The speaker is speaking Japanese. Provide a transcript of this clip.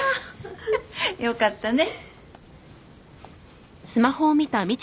よかったね。